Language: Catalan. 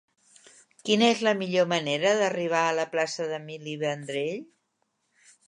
Quina és la millor manera d'arribar a la plaça d'Emili Vendrell?